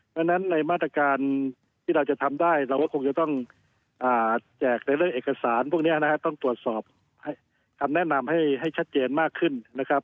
ดังนั้นในมาตรการที่เราจะทำได้เราก็คงจะต้องแจกในเรื่องเอกสารพวกนี้นะครับต้องตรวจสอบคำแนะนำให้ชัดเจนมากขึ้นนะครับ